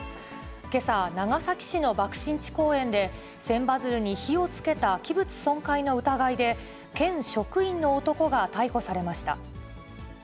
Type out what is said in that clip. けさ、長崎市の爆心地公園で、千羽鶴に火をつけた器物損壊の疑いで県職員の男が逮捕されました。